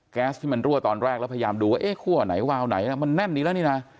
แก๊สที่มันรั่วตอนแรกแล้วพยายามดูว่าเอ๊ะคั่วไหนวาวไหนมันแน่นนี้แล้วนี่นะ